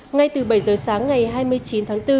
ngay từ bảy giờ sáng ngày hai mươi chín tháng bốn